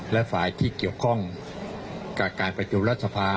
และฝ่ายที่เกี่ยวข้องกับการประชุมรัฐสภา